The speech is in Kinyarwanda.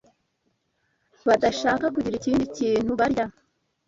badashaka kugira ikindi kintu barya.